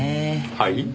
はい？